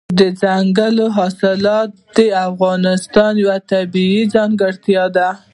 دځنګل حاصلات د افغانستان یوه طبیعي ځانګړتیا ده.